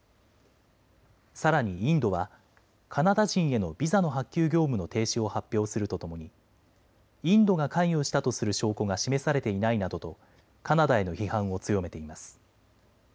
さらにインドはカナダ人へのビザの発給業務の停止を発表するとともにインドが関与したとする証拠が示されていないなどとカナダへの批判を強めています。